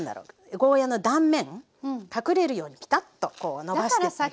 ゴーヤーの断面隠れるようにピタッとこう伸ばしてください。